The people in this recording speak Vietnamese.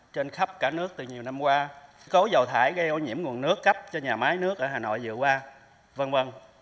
trên khắp cả nước từ nhiều năm qua cố dầu thải gây ô nhiễm nguồn nước cấp cho nhà máy nước ở hà nội vừa qua v v